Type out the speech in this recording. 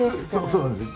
そうなんですよ